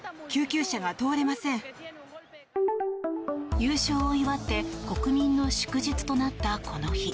優勝を祝って国民の祝日となったこの日。